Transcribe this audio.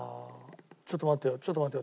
ちょっと待ってよちょっと待ってよ。